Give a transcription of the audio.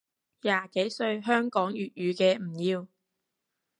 廿幾歲香港粵語嘅唔要